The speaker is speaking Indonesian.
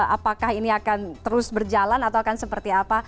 apakah ini akan terus berjalan atau akan seperti apa